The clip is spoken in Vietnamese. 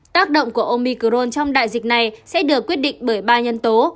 tác động của omicron trong đại dịch này sẽ được quyết định bởi ba nhân tố